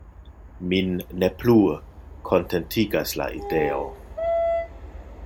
Min ne plu kontentigas la ideo!